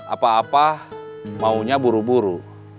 apa apa maunya buru buru